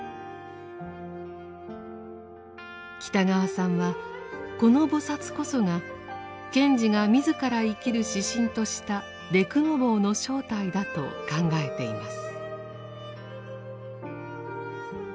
北川さんはこの菩薩こそが賢治が自ら生きる指針とした「デクノボー」の正体だと考えています。